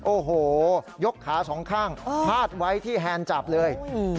โอ้โหยกขาสองข้างพาดไว้ที่แฮนด์จับเลย